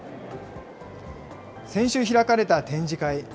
先週開かれた展示会。